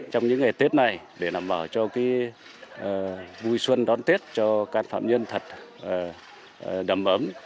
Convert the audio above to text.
trong những ngày tết này để làm bảo cho buổi xuân đón tết cho can phạm nhân thật đầm ấm